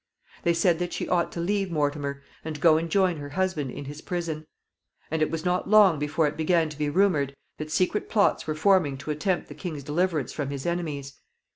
They said that she ought to leave Mortimer, and go and join her husband in his prison. And it was not long before it began to be rumored that secret plots were forming to attempt the king's deliverance from his enemies.